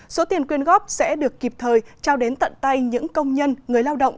số tiền quyên góp sẽ được kịp thời trao đến tận tay những công nhân người lao động